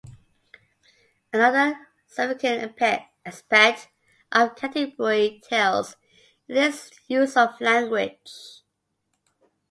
Another significant aspect of "The Canterbury Tales" is its use of language.